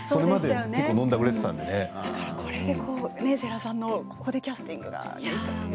これで世良さんのここでキャスティングがね。